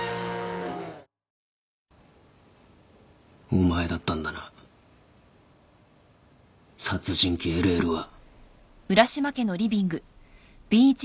お前だったんだな殺人鬼・ＬＬは。